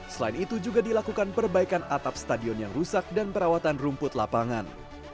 selain itu juga dilakukan perbaikan atap stadion yang rusak dan perawatan rumput lapangan